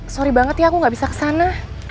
sorry banget ya aku gak bisa ke sana